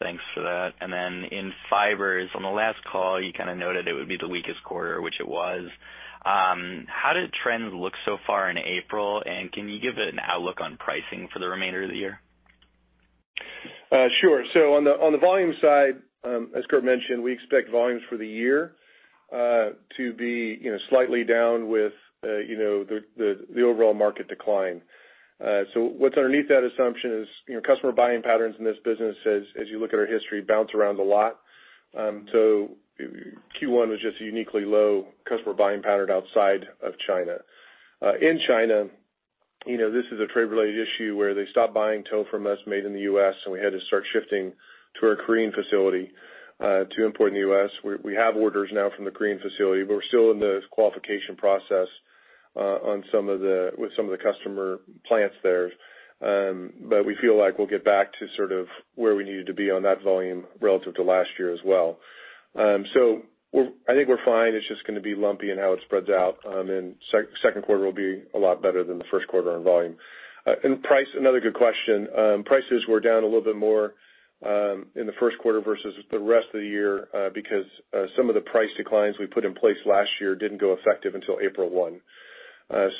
Thanks for that. Then in fibers, on the last call, you kind of noted it would be the weakest quarter, which it was. How do trends look so far in April, and can you give an outlook on pricing for the remainder of the year? Sure. On the volume side, as Curt mentioned, we expect volumes for the year to be slightly down with the overall market decline. What's underneath that assumption is customer buying patterns in this business as you look at our history, bounce around a lot. Q1 was just a uniquely low customer buying pattern outside of China. In China, this is a trade-related issue where they stopped buying tow from us made in the U.S., and we had to start shifting to our Korean facility to import in the U.S. We have orders now from the Korean facility, but we're still in the qualification process with some of the customer plants there. We feel like we'll get back to sort of where we needed to be on that volume relative to last year as well. I think we're fine. It's just going to be lumpy in how it spreads out, second quarter will be a lot better than the first quarter on volume. Price, another good question. Prices were down a little bit more in the first quarter versus the rest of the year because some of the price declines we put in place last year didn't go effective until April 1.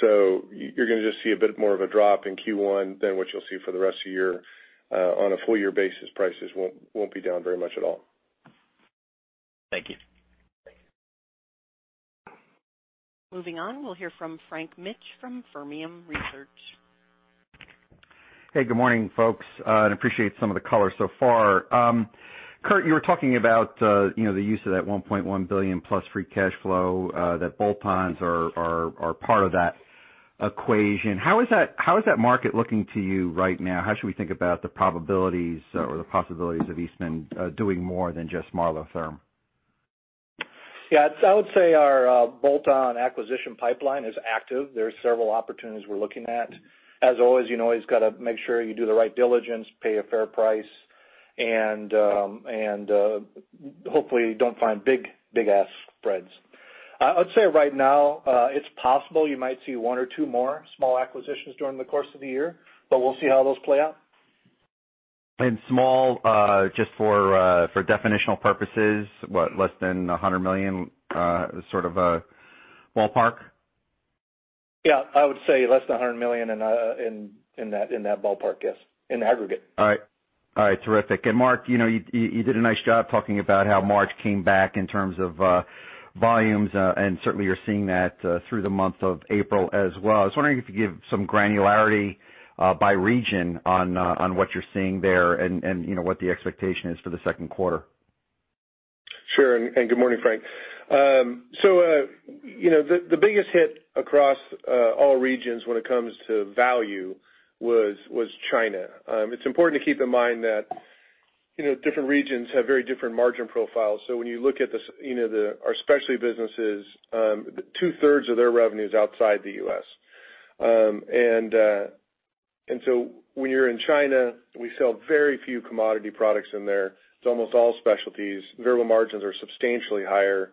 You're going to just see a bit more of a drop in Q1 than what you'll see for the rest of the year. On a full year basis, prices won't be down very much at all. Thank you. Moving on. We'll hear from Frank Mitsch from Fermium Research. Hey, good morning, folks, and appreciate some of the color so far. Curt, you were talking about the use of that $1.1 billion+ free cash flow, that bolt-ons are part of that equation. How is that market looking to you right now? How should we think about the probabilities or the possibilities of Eastman doing more than just Marlotherm? I would say our bolt-on acquisition pipeline is active. There are several opportunities we're looking at. As always, you've got to make sure you do the right diligence, pay a fair price, and hopefully, don't find big ass spreads. I would say right now, it's possible you might see one or two more small acquisitions during the course of the year, we'll see how those play out. Small, just for definitional purposes, what, less than $100 million, sort of a ballpark? Yeah, I would say less than $100 million in that ballpark. Yes. In aggregate. All right. Terrific. Mark, you did a nice job talking about how March came back in terms of volumes, and certainly you're seeing that through the month of April as well. I was wondering if you could give some granularity by region on what you're seeing there and what the expectation is for the second quarter. Sure. Good morning, Frank. The biggest hit across all regions when it comes to value was China. It's important to keep in mind that different regions have very different margin profiles. When you look at our specialty businesses, 2/3 of their revenue is outside the U.S. When you're in China, we sell very few commodity products in there. It's almost all specialties. Verbal margins are substantially higher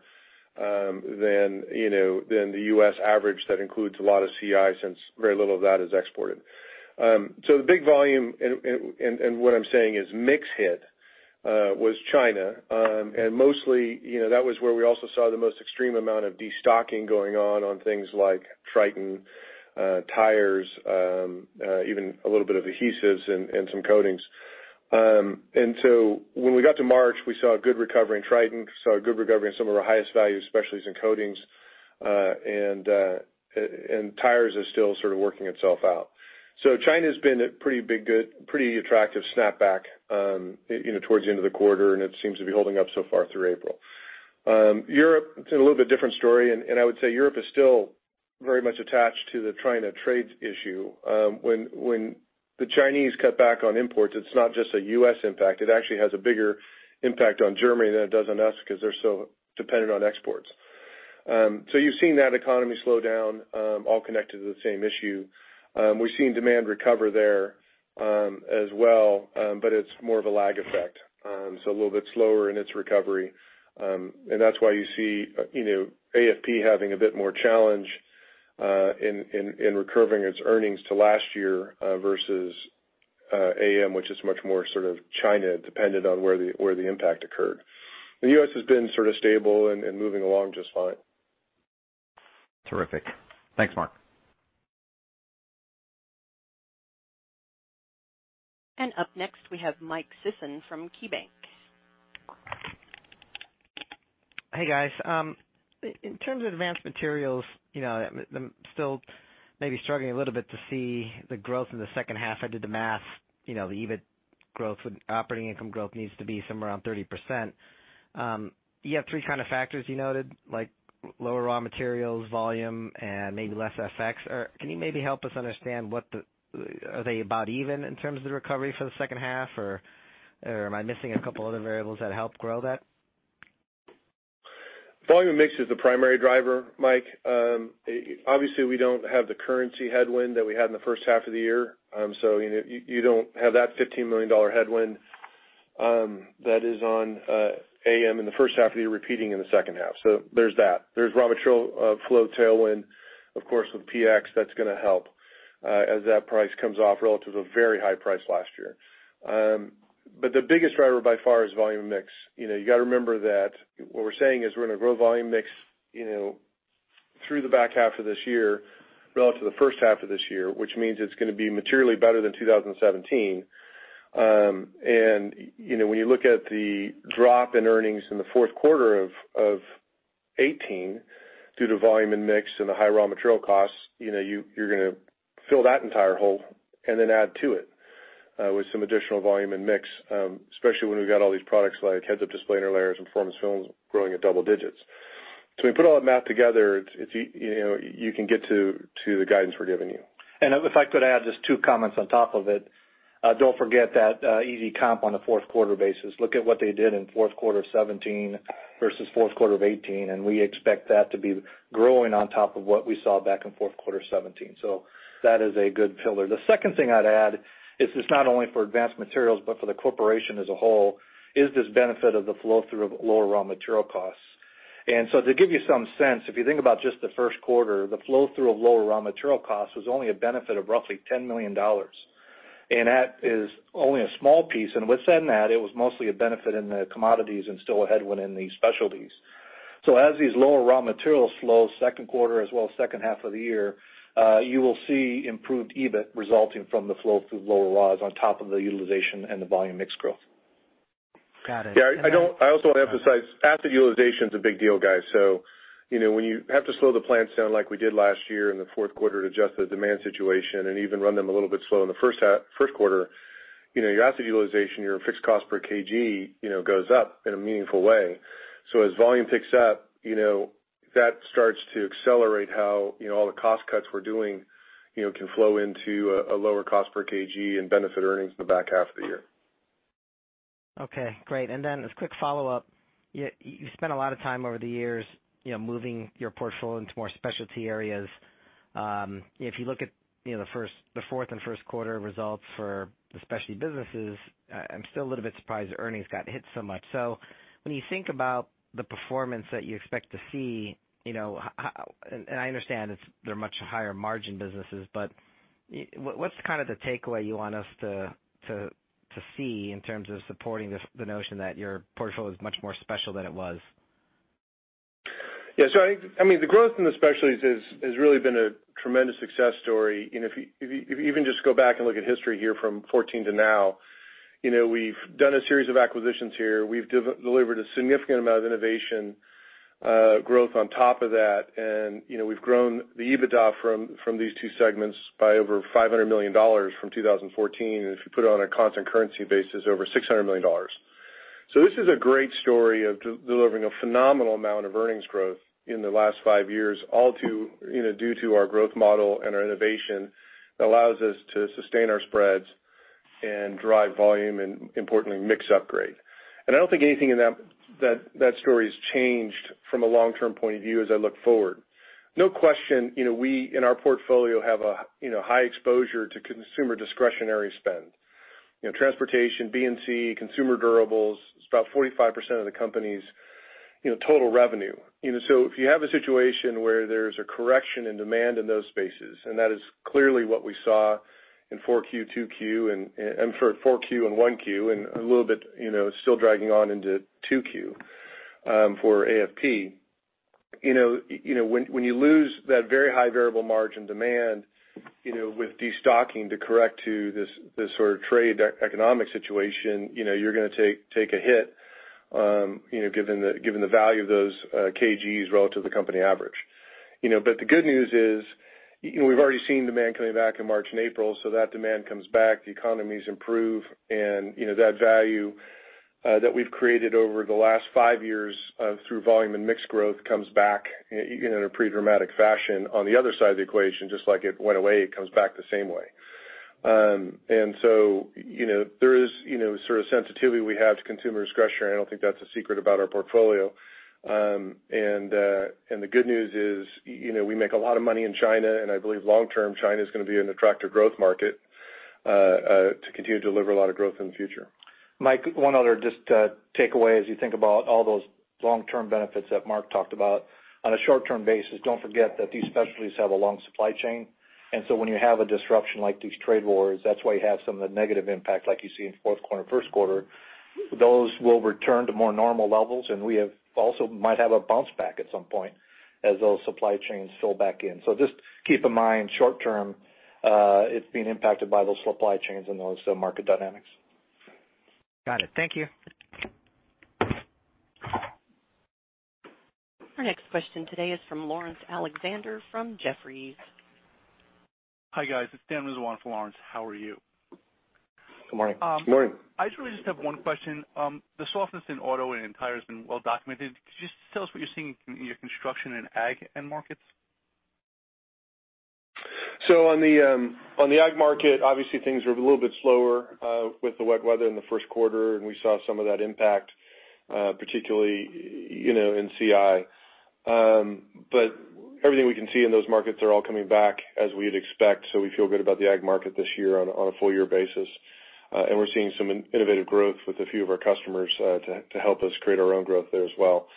than the U.S. average that includes a lot of CI, since very little of that is exported. The big volume, and what I'm saying is mix hit, was China. Mostly, that was where we also saw the most extreme amount of destocking going on things like Tritan, tires, even a little bit of adhesives and some coatings. When we got to March, we saw a good recovery in Tritan, saw a good recovery in some of our highest value specialties in coatings, and tires are still sort of working itself out. China's been a pretty attractive snapback towards the end of the quarter, and it seems to be holding up so far through April. Europe, it's been a little bit different story, and I would say Europe is still very much attached to the China trade issue. When the Chinese cut back on imports, it's not just a U.S. impact. It actually has a bigger impact on Germany than it does on us because they're so dependent on exports. You're seeing that economy slow down, all connected to the same issue. We've seen demand recover there as well, but it's more of a lag effect. A little bit slower in its recovery. That's why you see AFP having a bit more challenge in recovering its earnings to last year versus AM, which is much more China dependent on where the impact occurred. The U.S. has been sort of stable and moving along just fine. Terrific. Thanks, Mark. Up next, we have Mike Sison from KeyBanc. Hey, guys. In terms of advanced materials, I'm still maybe struggling a little bit to see the growth in the second half. I did the math, the EBIT growth with operating income growth needs to be somewhere around 30%. You have three kind of factors you noted, like lower raw materials, volume, and maybe less FX. Can you maybe help us understand, are they about even in terms of the recovery for the second half, or am I missing a couple other variables that help grow that? Volume mix is the primary driver, Mike. Obviously, we don't have the currency headwind that we had in the first half of the year. You don't have that $15 million headwind that is on AM in the first half of the year repeating in the second half. There's that. There's raw material flow tailwind, of course, with PX, that's going to help as that price comes off relative to very high price last year. The biggest driver by far is volume mix. You got to remember that what we're saying is we're going to grow volume mix through the back half of this year relative to the first half of this year, which means it's going to be materially better than 2017. When you look at the drop in earnings in the fourth quarter of 2018 due to volume and mix and the high raw material costs, you're going to fill that entire hole and then add to it with some additional volume and mix, especially when we've got all these products like head-up display interlayers and performance films growing at double digits. We put all that math together, you can get to the guidance we're giving you. If I could add just two comments on top of it. Don't forget that easy comp on a fourth quarter basis. Look at what they did in fourth quarter 2017 versus fourth quarter of 2018, and we expect that to be growing on top of what we saw back in fourth quarter 2017. That is a good pillar. The second thing I'd add is this, not only for advanced materials, but for the corporation as a whole, is this benefit of the flow-through of lower raw material costs. To give you some sense, if you think about just the first quarter, the flow-through of lower raw material costs was only a benefit of roughly $10 million. That is only a small piece, and within that, it was mostly a benefit in the commodities and still ahead within the specialties. As these lower raw materials slow second quarter as well as second half of the year, you will see improved EBIT resulting from the flow through lower raws on top of the utilization and the volume mix growth. Got it. Yeah. I also want to emphasize asset utilization's a big deal, guys. When you have to slow the plants down like we did last year in the fourth quarter to adjust to the demand situation and even run them a little bit slow in the first quarter, your asset utilization, your fixed cost per kg, goes up in a meaningful way. As volume picks up, that starts to accelerate how all the cost cuts we're doing can flow into a lower cost per kg and benefit earnings in the back half of the year. Okay, great. Then as a quick follow-up, you spent a lot of time over the years moving your portfolio into more specialty areas. If you look at the fourth and first quarter results for the specialty businesses, I'm still a little bit surprised earnings got hit so much. When you think about the performance that you expect to see, and I understand they're much higher margin businesses, but what's kind of the takeaway you want us to see in terms of supporting the notion that your portfolio is much more special than it was? Yeah. I think the growth in the specialties has really been a tremendous success story. If you even just go back and look at history here from 2014 to now, we've done a series of acquisitions here. We've delivered a significant amount of innovation, growth on top of that, and we've grown the EBITDA from these two segments by over $500 million from 2014. If you put it on a constant currency basis, over $600 million. This is a great story of delivering a phenomenal amount of earnings growth in the last five years, all due to our growth model and our innovation that allows us to sustain our spreads and drive volume and importantly, mix upgrade. I don't think anything in that story has changed from a long-term point of view as I look forward. No question, we, in our portfolio, have a high exposure to consumer discretionary spend. Transportation, B&C, consumer durables is about 45% of the company's total revenue. If you have a situation where there's a correction in demand in those spaces, and that is clearly what we saw in 4Q and 1Q, and a little bit still dragging on into 2Q for AFP. When you lose that very high variable margin demand with destocking to correct to this sort of trade economic situation, you're gonna take a hit given the value of those kgs relative to company average. The good news is we've already seen demand coming back in March and April, that demand comes back, the economies improve, and that value that we've created over the last five years through volume and mix growth comes back in a pretty dramatic fashion on the other side of the equation, just like it went away, it comes back the same way. There is sort of sensitivity we have to consumer discretionary. I don't think that's a secret about our portfolio. The good news is we make a lot of money in China, and I believe long term, China's gonna be an attractive growth market to continue to deliver a lot of growth in the future. Mike, one other just takeaway as you think about all those long-term benefits that Mark talked about. On a short-term basis, don't forget that these specialties have a long supply chain. When you have a disruption like these trade wars, that's why you have some of the negative impact like you see in fourth quarter and first quarter. Those will return to more normal levels, and we also might have a bounce back at some point as those supply chains fill back in. Just keep in mind, short term, it's being impacted by those supply chains and those market dynamics. Got it. Thank you. Our next question today is from Laurence Alexander from Jefferies. Hi, guys. It's Daniel Rizzo for Laurence. How are you? Good morning. Good morning. I just really just have one question. The softness in auto and tires has been well documented. Could you just tell us what you're seeing in your construction and ag end markets? On the ag market, obviously things are a little bit slower with the wet weather in the first quarter, and we saw some of that impact, particularly in CI. Everything we can see in those markets are all coming back as we'd expect, so we feel good about the ag market this year on a full year basis. We're seeing some innovative growth with a few of our customers to help us create our own growth there as well.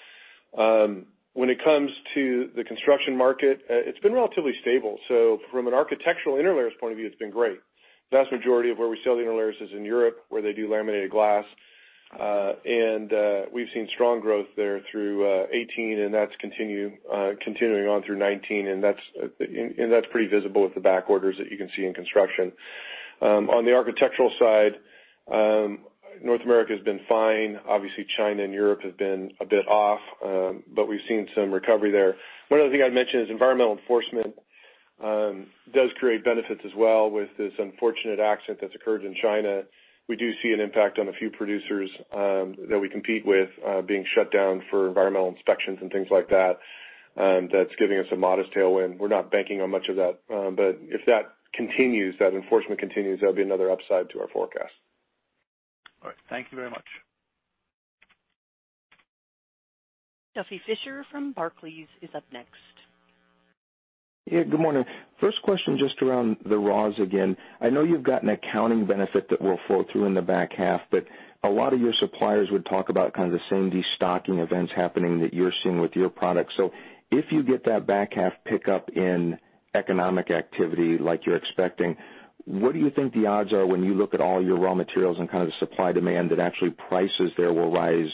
When it comes to the construction market, it's been relatively stable. From an architectural interlayers point of view, it's been great. The vast majority of where we sell the interlayers is in Europe, where they do laminated glass. We've seen strong growth there through 2018, and that's continuing on through 2019, and that's pretty visible with the back orders that you can see in construction. On the architectural side, North America has been fine. Obviously, China and Europe have been a bit off, but we've seen some recovery there. One other thing I'd mention is environmental enforcement does create benefits as well with this unfortunate accident that's occurred in China. We do see an impact on a few producers that we compete with being shut down for environmental inspections and things like that. That's giving us a modest tailwind. We're not banking on much of that. If that continues, that enforcement continues, that'll be another upside to our forecast. All right. Thank you very much. Duffy Fischer from Barclays is up next. Yeah, good morning. First question just around the raws again. I know you've got an accounting benefit that will flow through in the back half, but a lot of your suppliers would talk about kind of the same destocking events happening that you're seeing with your products. If you get that back half pickup in economic activity like you're expecting, what do you think the odds are when you look at all your raw materials and kind of supply demand that actually prices there will rise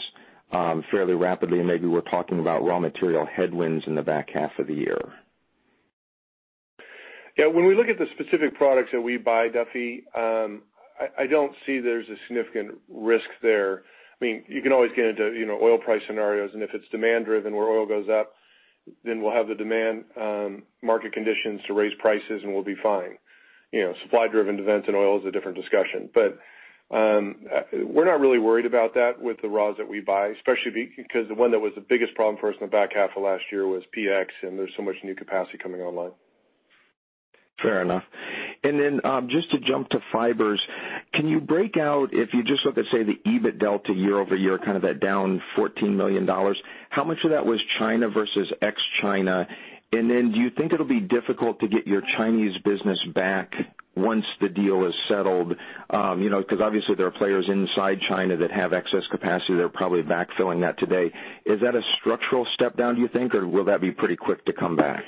fairly rapidly, and maybe we're talking about raw material headwinds in the back half of the year. Yeah. When we look at the specific products that we buy, Duffy, I don't see there's a significant risk there. You can always get into oil price scenarios, and if it's demand-driven where oil goes up, then we'll have the demand market conditions to raise prices and we'll be fine. Supply-driven events and oil is a different discussion. We're not really worried about that with the raws that we buy, especially because the one that was the biggest problem for us in the back half of last year was PX, and there's so much new capacity coming online. Fair enough. Just to jump to fibers, can you break out if you just look at, say, the EBIT delta year-over-year, kind of that down $14 million, how much of that was China versus ex-China? Do you think it'll be difficult to get your Chinese business back once the deal is settled? Obviously, there are players inside China that have excess capacity that are probably backfilling that today. Is that a structural step-down, do you think, or will that be pretty quick to come back?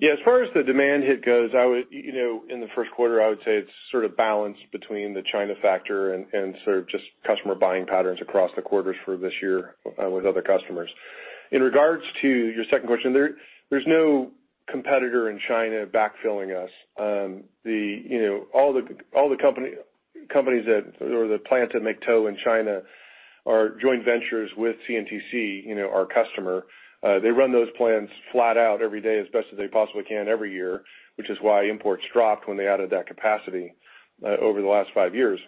As far as the demand hit goes, in the first quarter, I would say it's sort of balanced between the China factor and sort of just customer buying patterns across the quarters for this year with other customers. In regards to your second question there's no competitor in China backfilling us. All the companies that plant at [Makto] in China are joint ventures with CNTC, our customer. They run those plants flat out every day as best as they possibly can every year, which is why imports dropped when they added that capacity over the last five years.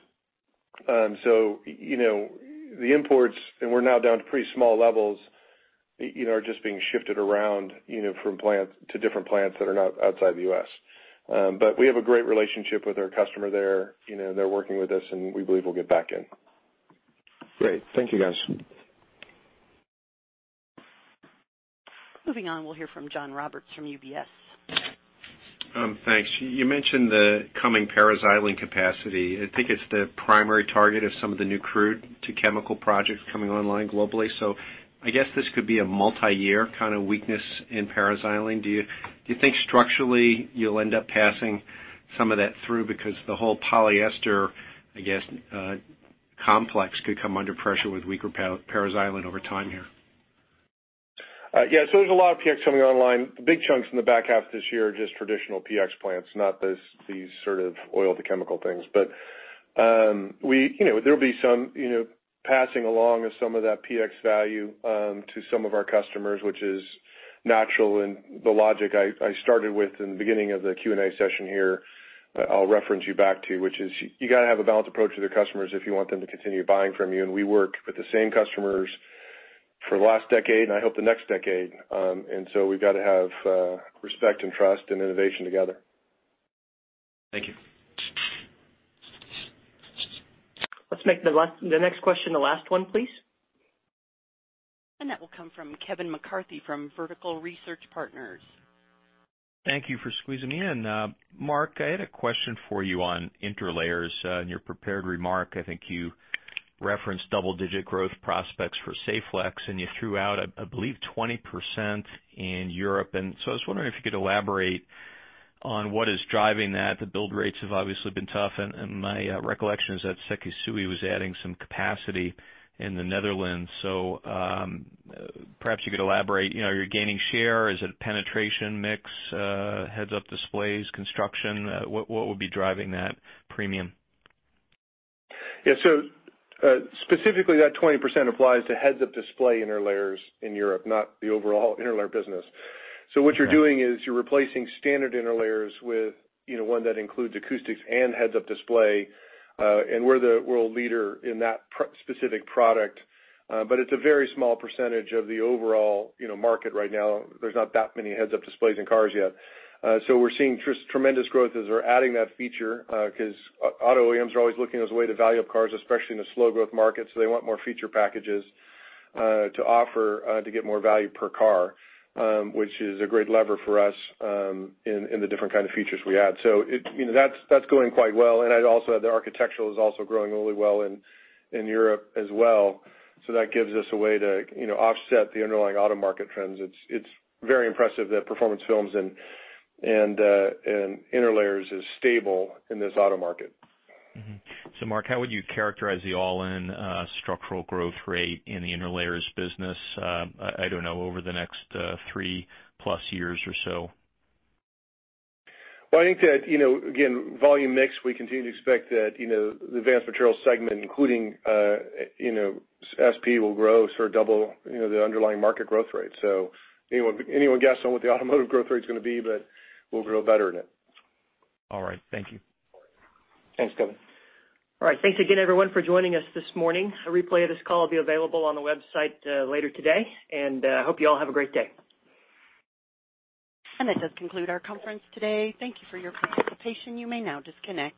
The imports, and we're now down to pretty small levels, are just being shifted around from plant to different plants that are not outside the U.S. We have a great relationship with our customer there. They're working with us, and we believe we'll get back in. Great. Thank you, guys. Moving on, we'll hear from John Roberts from UBS. Thanks. You mentioned the coming paraxylene capacity. I think it's the primary target of some of the new crude-to-chemical projects coming online globally. I guess this could be a multi-year kind of weakness in paraxylene. Do you think structurally you'll end up passing some of that through because the whole polyester, I guess, complex could come under pressure with weaker paraxylene over time here? Yeah. There's a lot of PX coming online. The big chunks in the back half of this year are just traditional PX plants, not these sort of oil to chemical things. There'll be some passing along of some of that PX value to some of our customers, which is natural, and the logic I started with in the beginning of the Q&A session here, I'll reference you back to, which is you got to have a balanced approach to the customers if you want them to continue buying from you, and we work with the same customers for the last decade, and I hope the next decade. We've got to have respect and trust and innovation together. Thank you. Let's make the next question the last one, please. That will come from Kevin McCarthy from Vertical Research Partners. Thank you for squeezing me in. Mark, I had a question for you on interlayers. In your prepared remark, I think I referenced double-digit growth prospects for Saflex, and you threw out, I believe, 20% in Europe. I was wondering if you could elaborate on what is driving that. The build rates have obviously been tough, and my recollection is that Sekisui was adding some capacity in the Netherlands. Perhaps you could elaborate. You're gaining share. Is it penetration mix, heads-up displays, construction? What would be driving that premium? Yeah. Specifically, that 20% applies to heads-up display interlayers in Europe, not the overall interlayer business. What you're doing is you're replacing standard interlayers with one that includes acoustics and heads-up display, and we're the world leader in that specific product. It's a very small percentage of the overall market right now. There's not that many heads-up displays in cars yet. We're seeing tremendous growth as we're adding that feature, because auto OEMs are always looking as a way to value up cars, especially in a slow growth market, they want more feature packages to offer to get more value per car, which is a great lever for us in the different kind of features we add. That's going quite well. I'd also add the architectural is also growing really well in Europe as well. That gives us a way to offset the underlying auto market trends. It's very impressive that performance films and interlayers is stable in this auto market. Mm-hmm. Mark, how would you characterize the all-in structural growth rate in the interlayers business, I don't know, over the next three plus years or so? Well, I think that, again, volume mix, we continue to expect that the Advanced Materials segment, including SP, will grow double the underlying market growth rate. Anyone guess on what the automotive growth rate is going to be, but we'll grow better in it. All right. Thank you. Thanks, Kevin. All right. Thanks again, everyone, for joining us this morning. A replay of this call will be available on the website later today, and I hope you all have a great day. That does conclude our conference today. Thank Thank you for your participation. You may now disconnect.